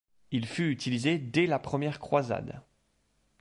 Il fut utilisé dès la première croisade.